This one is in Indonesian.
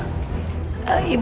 ibu saya namanya nurlela pak bos